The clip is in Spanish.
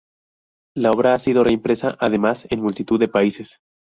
La obra ha sido reimpresa, además, en multitud de países.